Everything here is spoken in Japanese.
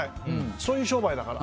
そういう商売だから。